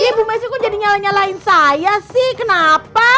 iya bu messi kok jadi nyalah nyalahin saya sih kenapa